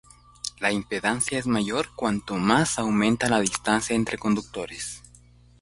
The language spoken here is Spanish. La impedancia es mayor cuanto más aumenta la distancia entre conductores.